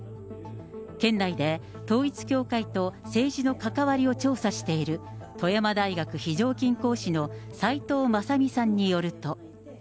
県内で統一教会と政治の関わりを調査している富山大学非常勤講師の斉藤正美さんによると。